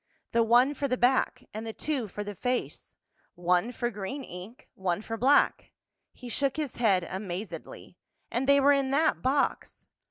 "The one for the back. And the two for the face—one for green ink, one for black." He shook his head amazedly. "And they were in that box!"